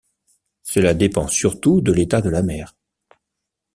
Cela dépend surtout de l’état de la mer.